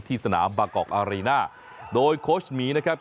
สนามบางกอกอารีน่าโดยโค้ชหมีนะครับ